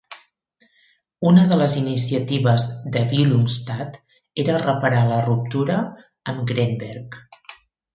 Una de les iniciatives de Willumstad era reparar la ruptura amb Greenberg.